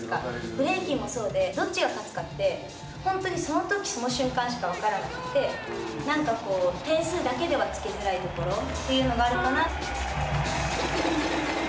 ブレイキンもそうでどっちが勝つかって本当にそのときその瞬間しか分からなくてなんかこう点数だけではつけづらいところというのがあるかなって。